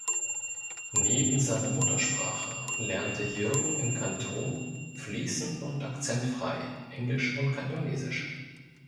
Neben seiner Muttersprache lernte Jürgen in Kanton fließend und akzentfrei Englisch und Kantonesisch.